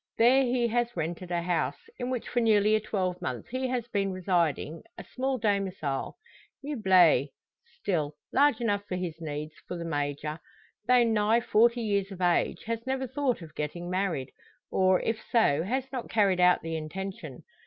There he has rented a house, in which for nearly a twelvemonth he has been residing: a small domicile, meuble. Still, large enough for his needs: for the Major, though nigh forty years of age, has never thought of getting married; or, if so, has not carried out the intention.